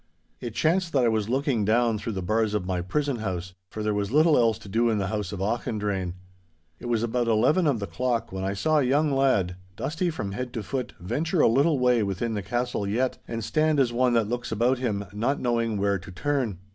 It chanced that I was looking down through the bars of my prison house, for there was little else to do in the house of Auchendrayne. It was about eleven of the clock when I saw a young lad, dusty from head to foot, venture a little way within the castle yett and stand as one that looks about him, not knowing where to turn.